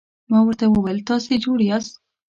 ما ورته وویل: تاسي جوړ یاست؟